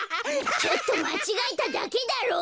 ちょっとまちがえただけだろ！